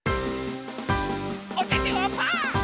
おててはパー。